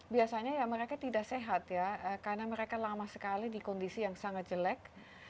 biasanya ya mereka tidak sehat ya karena mereka lama sekali di kondisi yang sangat jelek